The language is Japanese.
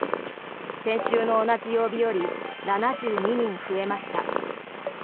先週の同じ曜日より７２人増えました。